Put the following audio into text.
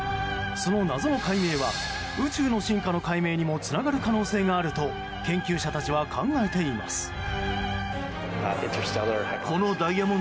その謎の解明は宇宙の進化の解明にもつながる可能性があると研究者たちは考えています。